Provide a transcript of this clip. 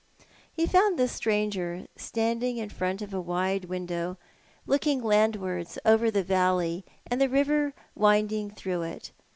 He found the stranger standing in front of a wide window, looking landwards over the valley, and the river winding through it.